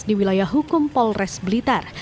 di wilayah hukum polres blitar